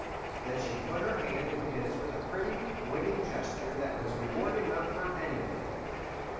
Then she put her hand in his with a pretty, winning gesture that was reward enough for any man.